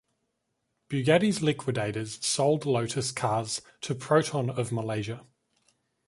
Bugatti's liquidators sold Lotus Cars to Proton of Malaysia.